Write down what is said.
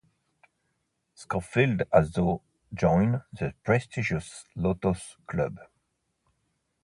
Scofield also joined the prestigious Lotos Club.